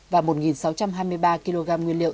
và một sáu trăm hai mươi ba kg nguyên liệu